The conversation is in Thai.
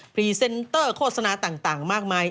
พรีเซนเตอร์โฆษณาต่างมากมาย